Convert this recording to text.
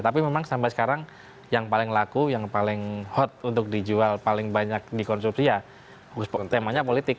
tapi memang sampai sekarang yang paling laku yang paling hot untuk dijual paling banyak dikonsumsi ya temanya politik